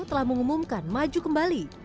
telah mengumumkan maju kembali